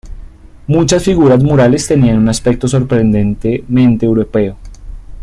Muchas figuras murales tenían un aspecto sorprendentemente europeo.